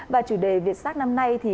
và chủ đề việt sắc năm nay